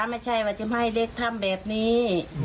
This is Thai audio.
ไม่ใช่ว่าจะไม่ให้เด็กทำแบบนี้